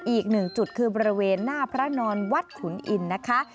อีกหนึ่งจุดคือบริเวณหน้าพระนอนวัดขุนอินนะคะ